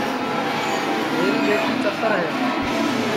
میری ٻیٹی چتر ہے